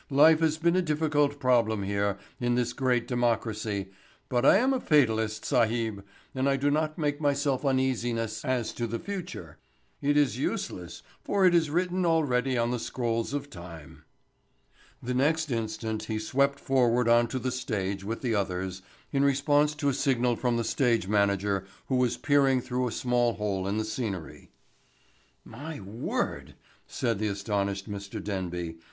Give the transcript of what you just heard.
Life has been a difficult problem here in this great democracy, but I am a fatalist, sahib, and I do not make myself uneasiness as to the future. It is useless for it is written already on the scrolls of time." The next instant he swept forward on to the stage with the others in response to a signal from the stage manager who was peering through a small hole in the scenery. "My word," said the astonished Mr. Denby.